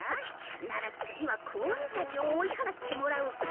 なら次は子鬼たちを追いはらってもらおうか？